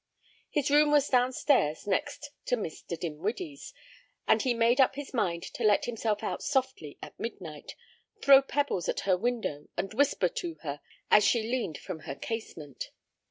His room was downstairs next to Mr. Dinwiddie's, and he made up his mind to let himself out softly at midnight, throw pebbles at her window and whisper to her as she leaned from her casement.